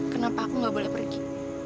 kenapa aku nggak boleh pergi